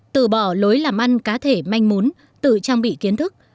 từ bỏ lối làm ăn cá thể manh muốn tự trang bị kiến thức